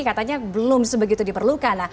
katanya belum sebegitu diperlukan